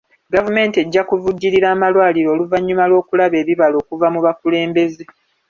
Gavumenti ejja kuvujjirira amalwaliro oluvannyuma lw'okulaba ebibala okuva mu bakulembeze.